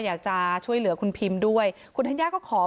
อยากจะช่วยเหลือคุณพิมด้วยคุณธัญญาก็ขอ